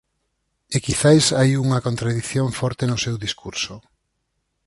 E quizais hai unha contradición forte no seu discurso.